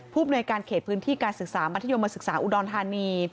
ภูมิหน่วยการเขตพื้นที่การศึกษามัธยมศึกษาอุดรธานี